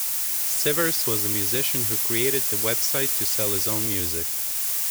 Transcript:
Sivers was a musician who created the website to sell his own music.